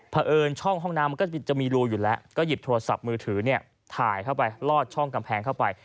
เพราะเอิญช่องห้องน้ำมันก็จะมีรูอยู่แล้วก็หยิบโทรศัพท์มือถือถ่ายเข้าไปลอดช่องกำแพงเข้าไป